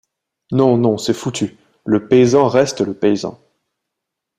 Non, non, c’est foutu, le paysan reste le paysan!